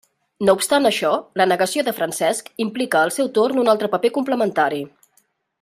No obstant això, la negació de Francesc implica al seu torn un altre paper complementari.